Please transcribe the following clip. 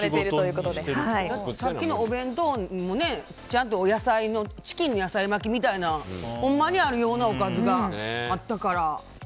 さっきのお弁当もちゃんとチキンの野菜巻きみたいなほんまにあるようなおかずがあったから。